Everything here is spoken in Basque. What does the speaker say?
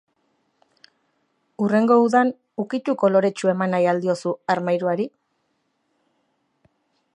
Hurrengo udan ukitu koloretsua eman nahi al diozu armairuari?